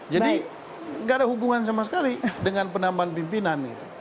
jadi nggak ada hubungan sama sekali dengan penambahan pimpinan